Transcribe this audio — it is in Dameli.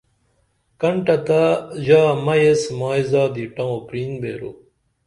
کنٹہ تہ ژا مئیس مائی زادی ٹَوں کرِن بیرو